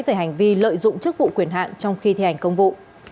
về hành vi lợi dụng chức vụ quyền hạn trong khi thi hành công vụ